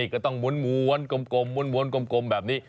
ก็ต้องม้วนกลมแบบนี้